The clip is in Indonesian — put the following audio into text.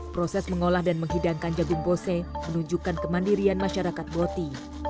proses mengolah dan menghidangkan jagung pose menunjukkan kemandirian masyarakat boti